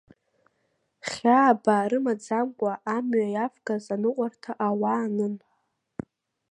Хьаа-баа рымаӡамкәа, амҩа иавгаз аныҟәарҭа ауаа анын.